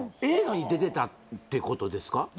映画に出てたってことですか？